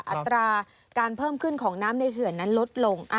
อัตราการเพิ่มขึ้นของน้ำในเขื่อนนั้นลดลง